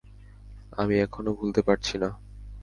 আমি এখনো ভুলতে পারছি না।